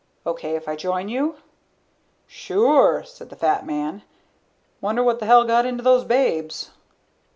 "Okay if I join you?" "Sure," said the fat man. "Wonder what the hell got into those babes?"